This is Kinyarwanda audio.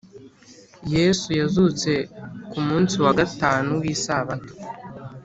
yesu yazutse ku munsi wa gatatu w’isabato